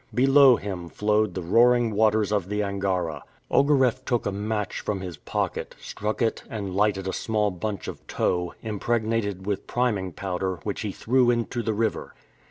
Below him flowed the roaring waters of the Angara. Ogareff took a match from his pocket, struck it and lighted a small bunch of tow, impregnated with priming powder, which he threw into the river.